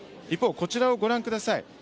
こちらをご覧ください。